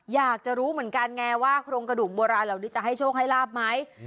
อยากจะรู้เหมือนกันไงว่าโครงกระดูกโบราณเหล่านี้จะให้โชคให้ลาบไหม